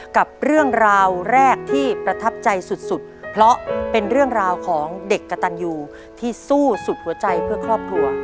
กับเรื่องราวแรกที่ประทับใจสุดสุดเพราะเป็นเรื่องราวของเด็กกระตันยูที่สู้สุดหัวใจเพื่อครอบครัว